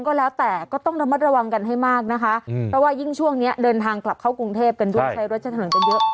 ก็แล้วแต่ก็ต้องระมัดระวังกันให้มากนะคะเพราะว่ายิ่งช่วงนี้เดินทางกลับเข้ากรุงเทพกันด้วยใช้รถใช้ถนนกันเยอะ